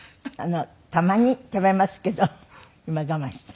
たまに食べますけど今我慢している。